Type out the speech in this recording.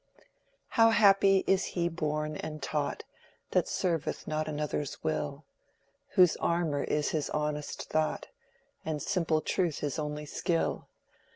"How happy is he born and taught That serveth not another's will; Whose armor is his honest thought, And simple truth his only skill!